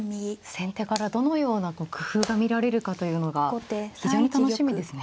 先手からどのような工夫が見られるかというのが非常に楽しみですね。